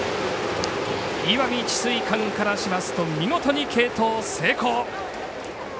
石見智翠館からしますと見事に継投成功。